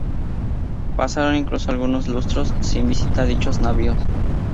Pasaron incluso algunos lustros sin visitas de dichos navíos.